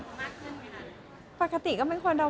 เต็มไปลาค่ะต้องระวังกว่ามากขึ้นไหมค่ะ